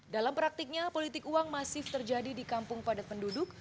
dalam praktiknya politik uang masif terjadi di kampung padat penduduk